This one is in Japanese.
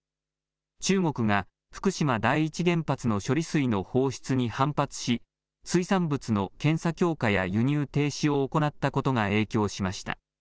中国が福島第一原発の処理水の放出に反発し水産物の検査強化や輸入停止を行ったことが影響しました。